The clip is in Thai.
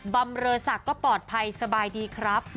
ำเรอศักดิ์ก็ปลอดภัยสบายดีครับ